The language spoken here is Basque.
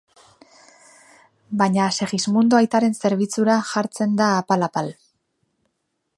Baina Segismundo aitaren zerbitzura jartzen da apal-apal.